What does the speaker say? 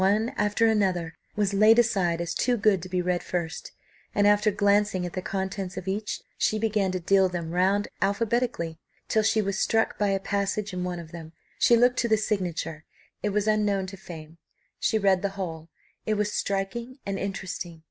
One after another was laid aside as too good to be read first, and after glancing at the contents of each, she began to deal them round alphabetically till she was struck by a passage in one of them she looked to the signature, it was unknown to fame she read the whole, it was striking and interesting.